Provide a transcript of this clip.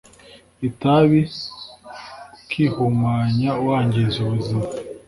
itabi ukihumanya wangiza ubuzima